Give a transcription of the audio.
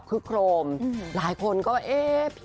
คุณผู้ชมค่ะคุณผู้ชมค่ะ